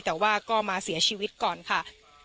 แต่ว่าก็มาเสียชีวิตก่อนค่ะ